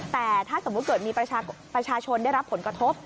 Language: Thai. แต่ถ้าสมมุติเกิดมีประชาชนได้รับผลกระทบ